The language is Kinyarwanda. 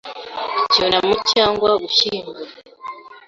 Icyunamo cyangwa gushyingura